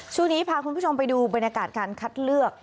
ช่วงนี้พาคุณผู้ชมไปดูบรรยากาศการคัดเลือก